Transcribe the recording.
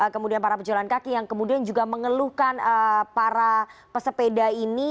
kemudian para pejalan kaki yang kemudian juga mengeluhkan para pesepeda ini